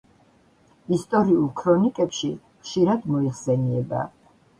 ისტორიულ ქრონიკებში ხშირად მოიხსენიება.